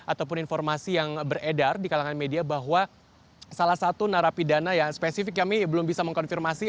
ataupun informasi yang beredar di kalangan media bahwa salah satu narapidana yang spesifik kami belum bisa mengkonfirmasi